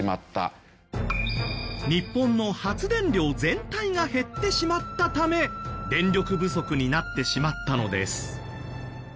日本の発電量全体が減ってしまったため電力不足になってしまったのです。